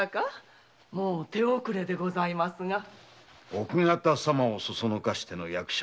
奥方様をそそのかしての役者